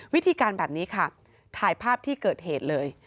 วิธีการแบบนี้ค่ะถ่ายภาพที่เกิดเหตุเลย